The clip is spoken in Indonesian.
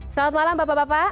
selamat malam bapak bapak